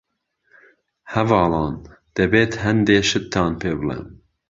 هەڤاڵان ، دەبێت هەندێ شتتان پێ بڵیم.